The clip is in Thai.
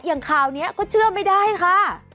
อย่างข่าวนี้ก็เชื่อไม่ได้ค่ะ